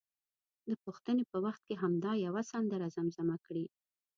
د پوښتنې په وخت کې همدا یوه سندره زمزمه کړي.